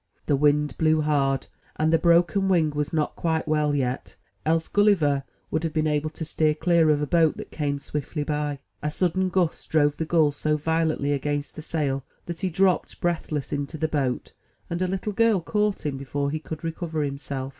The wind blew hard, and the broken wing was not quite well yet, else Gulliver would have been able to steer clear of a boat that came swiftly by. A sudden gust drove the gull so violently against the sail that he dropped breathless into the boat; and a little girl caught him, before he could recover himself.